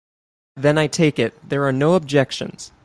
Then I take it there are no objections.